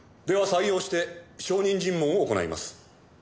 では採用して証人尋問を行います。